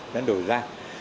đã đổi ra